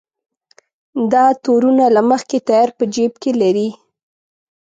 دا تورونه له مخکې تیار په جېب کې لري.